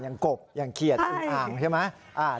กบอย่างเขียดอึงอ่างใช่ไหม